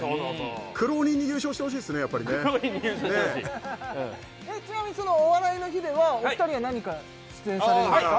苦労人に優勝してほしいですねやっぱりねちなみにその「お笑いの日」ではお二人は何か出演されるんですか？